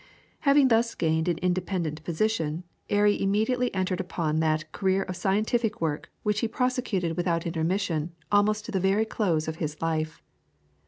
Having thus gained an independent position, Airy immediately entered upon that career of scientific work which he prosecuted without intermission almost to the very close of his life.